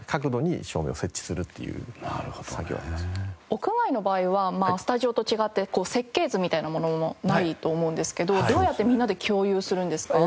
屋外の場合はスタジオと違って設計図みたいなものもないと思うんですけどどうやってみんなで共有するんですか？